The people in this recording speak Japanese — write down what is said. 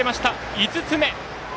５つ目！